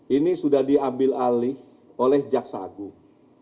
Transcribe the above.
ini sudah diambil alih oleh jaksa agung